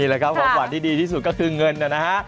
นี่แหละครับความขอบความที่ดีที่สุดก็คือเงินเนี่ยนะฮะ